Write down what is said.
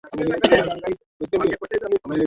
vyombo vya kukuza lugha ya kiswahili mfano